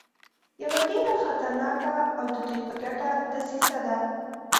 یوه ډېره خطرناکه او د دوی په ګټه دسیسه ده.